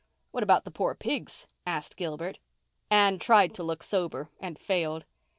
"What about the poor pigs?" asked Gilbert. Anne tried to look sober and failed.